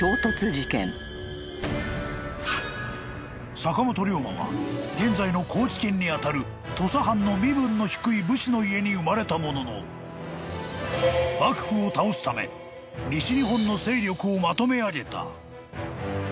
［坂本龍馬は現在の高知県にあたる土佐藩の身分の低い武士の家に生まれたものの幕府を倒すため西日本の勢力をまとめ上げた］